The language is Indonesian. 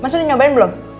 mas udah nyobain belum